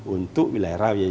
untuk wilayah rawa